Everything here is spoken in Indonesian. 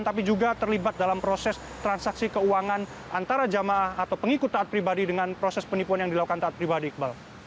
tapi juga terlibat dalam proses transaksi keuangan antara jamaah atau pengikut taat pribadi dengan proses penipuan yang dilakukan taat pribadi iqbal